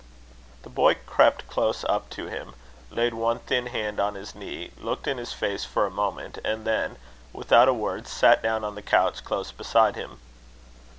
The boy crept close up to him, laid one thin hand on his knee, looked in his face for a moment, and then, without a word, sat down on the couch close beside him.